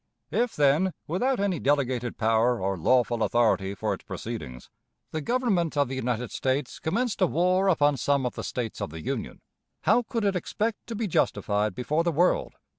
If, then, without any delegated power or lawful authority for its proceedings, the Government of the United States commenced a war upon some of the States of the Union, how could it expect to be justified before the world?